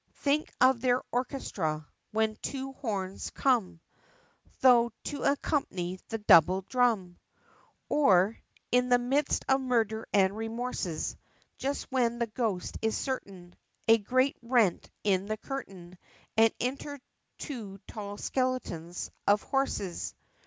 Think of their Orchestra, when two horns come Through, to accompany the double drum! Or, in the midst of murder and remorses, Just when the Ghost is certain, A great rent in the curtain, And enter two tall skeletons of Horses!